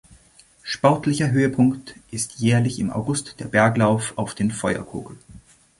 Sportlicher Höhepunkt ist jährlich im August der Berglauf auf den Feuerkogel.